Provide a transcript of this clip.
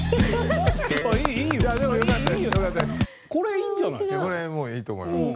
これもいいと思います。